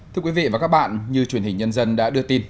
thưa quý vị và các bạn như truyền hình nhân dân đã đưa tin